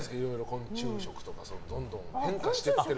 昆虫食とかどんどん変化していってて。